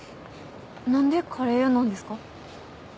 何でカレー屋なんですか？